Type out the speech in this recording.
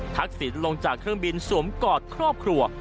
ทักษิณลงจากเครื่องบินสวมกอดครอบครัว